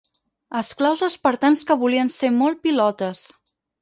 Esclaus espartans que volien ser molt pilotes.